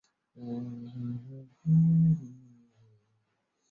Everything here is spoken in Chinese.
昆林是位于美国亚利桑那州皮马县的一个非建制地区。